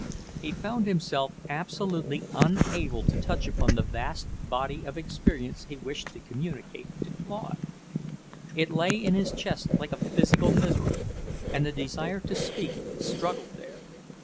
He found himself absolutely unable to touch upon the vast body of experience he wished to communicate to Claude. It lay in his chest like a physical misery, and the desire to speak struggled there.